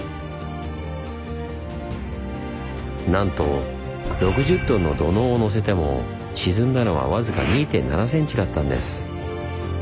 なんと６０トンの土のうをのせても沈んだのはわずか２．７センチだったんです。